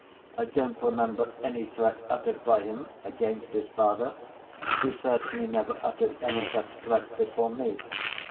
I don't remember any threat uttered by him against his father. He certainly never uttered any such threat before me.